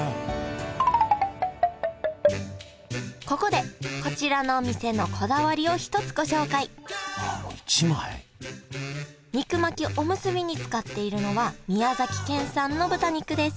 ここでこちらのお店のこだわりを一つご紹介肉巻きおむすびに使っているのは宮崎県産の豚肉です